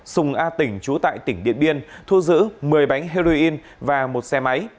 sùng a tỉnh trú tại tỉnh điện biên thu giữ một mươi bánh heroin và một xe máy